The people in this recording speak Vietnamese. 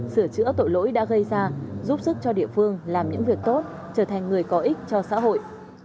sửa chữa tội lỗi đã gây ra giúp sức cho địa phương làm những việc tốt trở thành người có ích cho xã hội